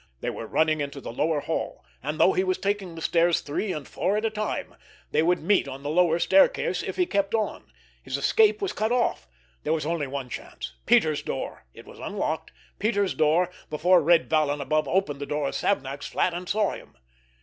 They were running into the lower hall; and, though he was taking the stairs three and four at a time, they would meet on the lower staircase, if he kept on. His escape was cut off. There was only one chance—Peters' door—it was unlocked—Peters' door, before Red Vallon above opened the door of Savnak's flat and saw him.